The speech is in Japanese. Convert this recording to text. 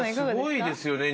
すごいですよね。